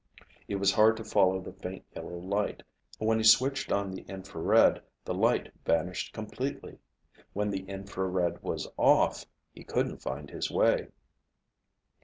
It was hard to follow the faint yellow light. When he switched on the infrared, the light vanished completely. When the infrared was off, he couldn't find his way.